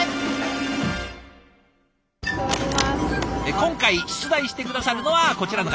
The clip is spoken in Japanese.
今回出題して下さるのはこちらの方。